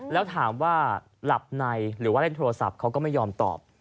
แล้วถามว่าหลับในหรือว่าเล่นโทรศัพท์เขาก็ไม่ยอมตอบ